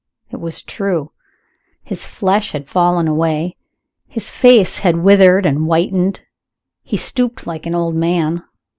It was true. His flesh had fallen away; his face had withered and whitened; he stooped like an old man.